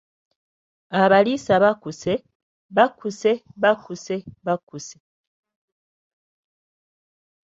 Abaliisa bakkuse, bakkuse bakkuse bakkuse.